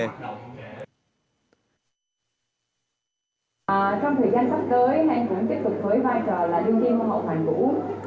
trong thời gian sắp tới anh cũng tiếp tục với vai trò là đương tiên hoa hậu hoàn vũ